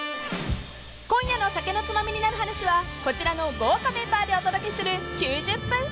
［今夜の『酒のツマミになる話』はこちらの豪華メンバーでお届けする９０分ＳＰ］